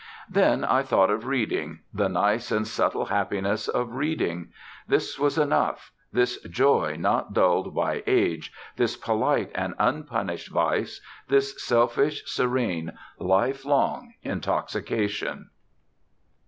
Then I thought of reading the nice and subtle happiness of reading. This was enough, this joy not dulled by Age, this polite and unpunished vice, this selfish, serene, life long intoxication.